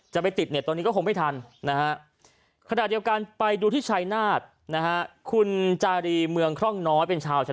จะไปติดเน็ตตอนนี้ก็คงไม่ทันนะฮะขนาดเดียวกันไปดูที่ชายนาฏนะฮะ